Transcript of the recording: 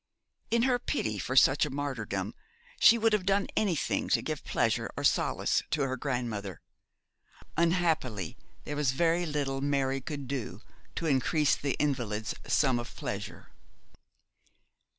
In her pity for such a martyrdom she would have done anything to give pleasure or solace to her grandmother. Unhappily there was very little Mary could do to increase the invalid's sum of pleasure.